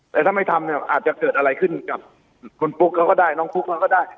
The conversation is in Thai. แต่ถ้าไม่ทำเนี่ยอาจจะเกิดอะไรขึ้นกับคุณปุ๊กเขาก็ได้น้องปุ๊กเขาก็ได้